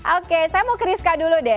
oke saya mau ke rizka dulu deh